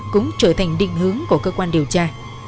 cũng trở thành định hướng của cơ quan điều tra